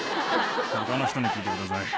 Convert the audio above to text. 他の人に聞いてください。